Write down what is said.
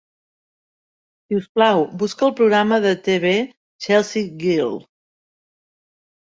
Sisplau, busca el programa de TV Chelsea Girl.